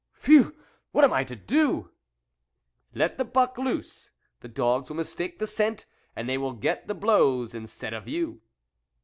" Phew ! what am I to do ?"" Let the buck loose ; the dogs will mistake the scent, and they will get the blows instead of you."